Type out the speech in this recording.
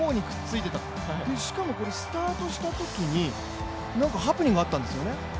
しかもこれスタートしたときにハプニングがあったんですよね？